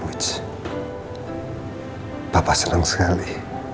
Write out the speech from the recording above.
wits bapak senang sekali